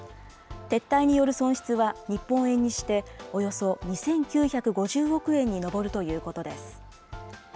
撤退による損失は日本円にしておよそ２９５０億円に上るということです。